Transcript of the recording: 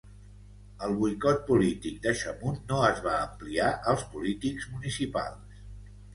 El boicot polític de Chamoun no es va ampliar als polítics municipals.